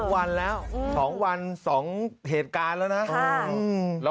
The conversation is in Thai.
๒วันแล้ว๒เหตุการณ์แล้วนะ